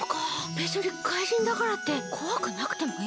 べつに怪人だからってこわくなくてもいいんだね！